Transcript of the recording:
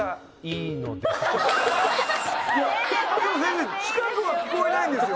いやでも先生近くは聞こえないんですよ。